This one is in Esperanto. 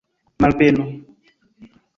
Malbeno!